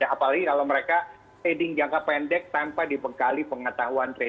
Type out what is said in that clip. apalagi kalau mereka heading jangka pendek tanpa dipegakkan